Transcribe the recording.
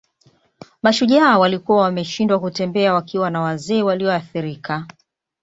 Mashujaa waliokuwa wameshindwa kutembea wakiwa na wazee walioathirika